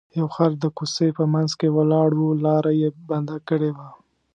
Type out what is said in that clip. یو خر د کوڅې په منځ کې ولاړ و لاره یې بنده کړې وه.